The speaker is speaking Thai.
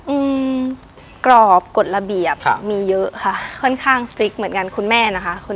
อืมกรอบกฎระเบียบครับมีเยอะค่ะค่อนข้างสตริกเหมือนกันคุณแม่นะคะ